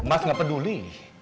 mas nggak peduli